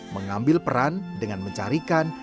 mengambil peran dengan mencarikan